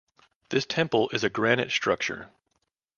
This temple is of granite structure.